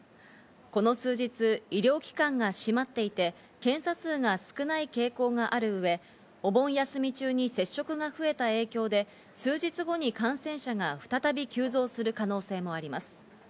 この数日、医療機関が閉まっていて検査数が少ない傾向がある上、お盆休み中に接触が増えた影響で数日後に感染者が再び急増する可能性もあります。